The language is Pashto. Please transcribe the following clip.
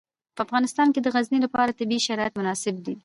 په افغانستان کې د غزني لپاره طبیعي شرایط مناسب دي.